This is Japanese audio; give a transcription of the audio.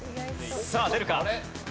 さあ出るか？